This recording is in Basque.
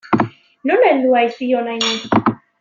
Nola heldu haiz hi honaino?